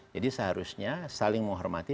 jadi seharusnya saling menghormati